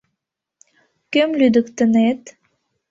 Кӧм лӱдыктынет?